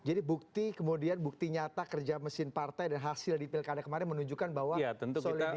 jadi bukti kemudian bukti nyata kerja mesin partai dan hasil di pilkada kemarin menunjukkan bahwa soliditas tidak pernah dilakukan